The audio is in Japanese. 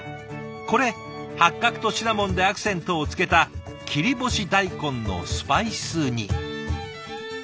これ八角とシナモンでアクセントをつけた切り干し大根のスパイス煮。